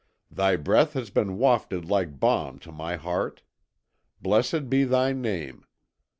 Thy breath has been wafted like balm to my heart. Blessed be Thy name.